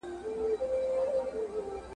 د دلارام د ولسوالۍ مرکز ډېر ښکلی اباد دی